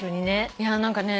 いや何かね